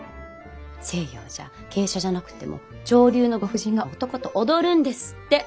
西洋じゃ芸者じゃなくても上流のご婦人が男と踊るんですって！